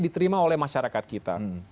diterima oleh masyarakat kita